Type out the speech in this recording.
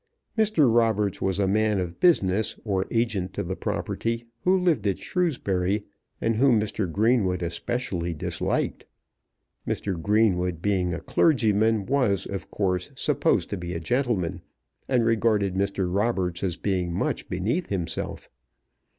Mr. Roberts was a man of business, or agent to the property, who lived at Shrewsbury, and whom Mr. Greenwood especially disliked. Mr. Greenwood being a clergyman was, of course, supposed to be a gentleman, and regarded Mr. Roberts as being much beneath himself.